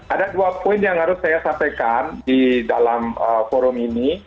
ada dua poin yang harus saya sampaikan